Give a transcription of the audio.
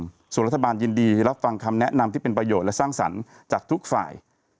ส่วนรัฐบาลยินดีรับฟังคำแนะนำที่เป็นประโยชน์และสร้างสรรค์จากทุกฝ่าย